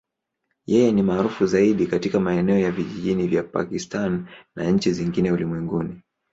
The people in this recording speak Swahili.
Yeye ni maarufu zaidi katika maeneo ya vijijini ya Pakistan na nchi zingine ulimwenguni.